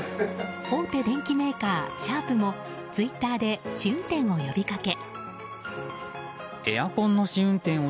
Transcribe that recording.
大手電機メーカーシャープもツイッターで試運転を呼びかけ。